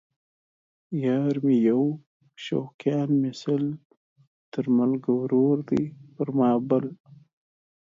یار مې یو شوقیان مې سل ـ تر مرګه ورور دی پر ما بل